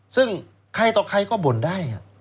ซึ่งใครต่อใครก็บ่นได้